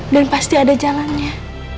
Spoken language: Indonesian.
dan pasti ada jalannya